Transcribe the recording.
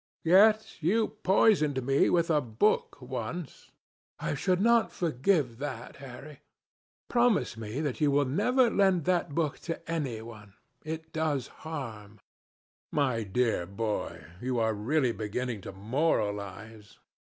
"Yet you poisoned me with a book once. I should not forgive that. Harry, promise me that you will never lend that book to any one. It does harm." "My dear boy, you are really beginning to moralize.